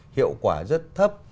hiệu quả rất thấp